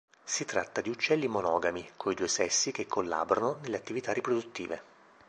Si tratta di uccelli monogami, coi due sessi che collaborano nelle attività riproduttive.